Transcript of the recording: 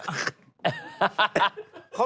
ฮ่าฮ่าฮ่า